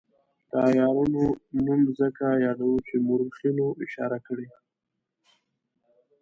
د عیارانو نوم ځکه یادوو چې مورخینو اشاره کړې.